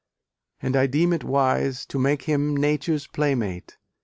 And I deem it wise To make him Nature's play mate.